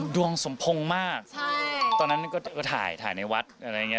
ดวงสมพงษ์มากตอนนั้นดูตายในวัดอะไรอย่างเงี้ย